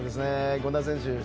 権田選手